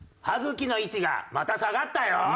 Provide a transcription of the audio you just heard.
歯茎の位置がまた下がったよ。